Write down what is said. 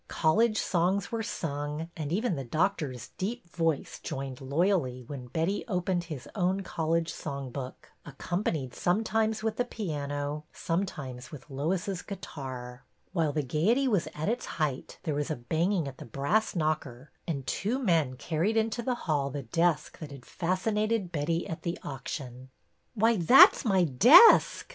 College songs were sung, and even the Doctor's deep voice joined loyally when Betty opened his own college song book, accompanied sometimes with the piano, sometimes with Lois's guitar. While the gayety was at its height there was a banging at the brass knocker and two men car ried into the hall the desk that had fascinated Betty at the auction. Why, that 's my desk!